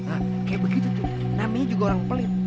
ah kayak begitu tuh namanya juga orang pelit